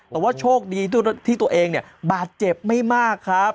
แต่ว่าโชคดีที่ตัวเองเนี่ยบาดเจ็บไม่มากครับ